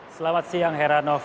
selamat siang heranov